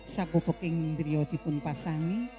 saku peking dirioti pun pasang